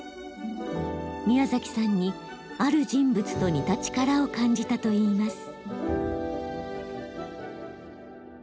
宮崎さんにある人物と似た力を感じたといいます。